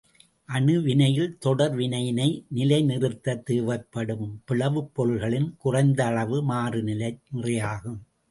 அணு வினையில் தொடர் வினையினை நிலை நிறுத்தத் தேவைப்படும் பிளவுப் பொருள்களின் குறைந்த அளவு மாறுநிலை நிறையாகும்.